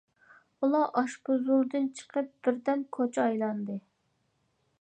ئۇلار ئاشپۇزۇلدىن چىقىپ بىردەم كوچا ئايلاندى.